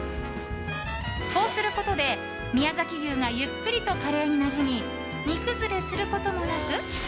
こうすることで、宮崎牛がゆっくりとカレーになじみ煮崩れすることもなく